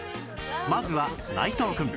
まずは内藤くん